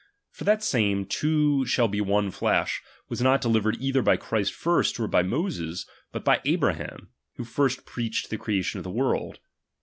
For that same, two shall be one flesh, was not delivered either by Christ first, or by Moses, but by Abraham, who first preached the creation of the world.